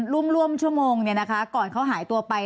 ร่วมร่วมชั่วโมงเนี้ยนะคะก่อนเขาหายตัวไป